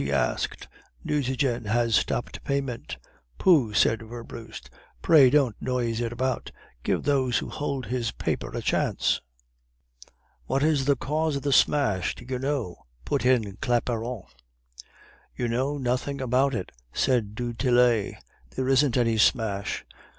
he asked. 'Nucingen has stopped payment.' "'Pooh,' said Werbrust, 'pray don't noise it about; give those that hold his paper a chance.' "'What is the cause of the smash; do you know?' put in Claparon. "'You know nothing about it,' said du Tillet. 'There isn't any smash.